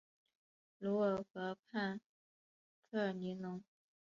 卢尔河畔科尔尼隆。